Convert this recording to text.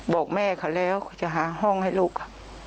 บอกแม่เขาแล้วจะหาห้องให้ลูก